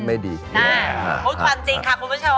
คุณคุณผู้ชมจริงค่ะ